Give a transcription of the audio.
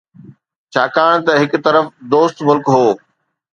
ڇاڪاڻ ته هڪ طرف دوست ملڪ هو.